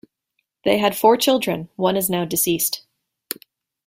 They had four children; one is now deceased.